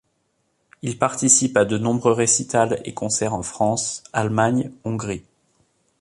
Il participe à de nombreux récitals et concerts en France, Allemagne, Hongrie.